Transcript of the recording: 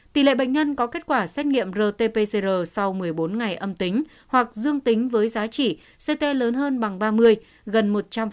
tỷ lệ bệnh nhân có kết quả xét nghiệm rt pcr sau một mươi bốn ngày âm tính hoặc dương tính với giá trị ct lớn hơn bằng ba mươi gần một trăm linh